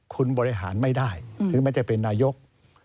คุณบริหารไม่ได้ถึงไม่ได้เป็นนายก